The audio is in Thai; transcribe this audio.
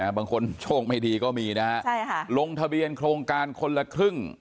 บางคนโชคไม่ดีก็มีนะฮะลงทะเบียนโครงการคนละครึ่ง